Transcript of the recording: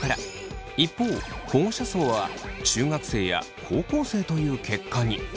一方保護者層は中学生や高校生という結果に。